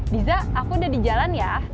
diza aku udah di jalan ya